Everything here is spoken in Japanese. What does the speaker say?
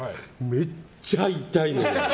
めっちゃ痛いの。